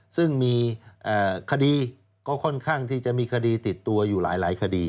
ซึ่งมีคดีก็ค่อนข้างที่จะมีคดีติดตัวอยู่หลายคดี